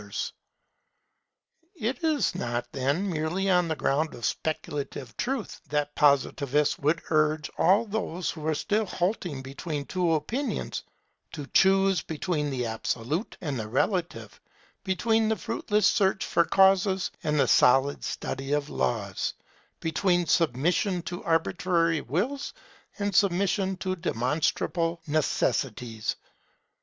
[Corruption of Monotheism] It is not, then, merely on the ground of speculative truth that Positivists would urge all those who are still halting between two opinions, to choose between the absolute and the relative, between the fruitless search for Causes and the solid study of Laws, between submission to arbitrary Wills and submission to demonstrable Necessities.